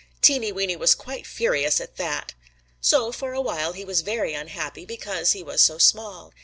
Teeny Weeny was quite furious at that. So for a while he was very unhappy because he was so small.